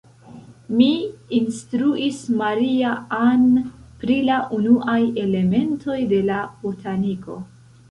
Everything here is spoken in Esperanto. Mi instruis Maria-Ann pri la unuaj elementoj de la botaniko.